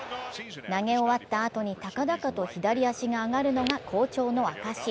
投げ終わったあとに高々と左足が上がるのが好調の証し。